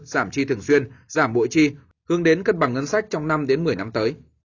giảm chi thường xuyên giảm bội chi hướng đến cân bằng ngân sách trong năm một mươi năm tới